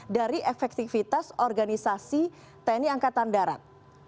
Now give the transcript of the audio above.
dari efektivitas organisasi tni angkatan darat